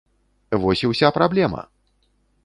Вось і ўся праблема!